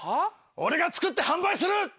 俺が作って販売する！